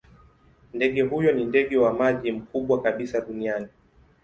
Ndege huyo ni ndege wa maji mkubwa kabisa duniani.